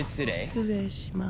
失礼します。